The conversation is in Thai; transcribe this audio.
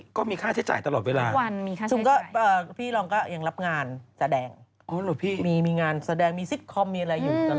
อันนี้ก็มีค่าใช้จ่ายตลอดเวลานะครับพี่รองก็ยังรับงานแสดงมีงานแสดงมีซิตคอมมีอะไรอยู่กันเลย